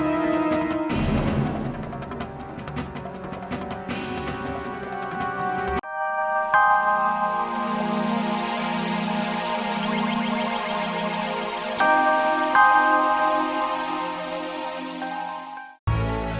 mereka datang lagi mereka mau memerkus aku